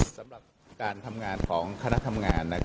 สำหรับการทำงานของคณะทำงาน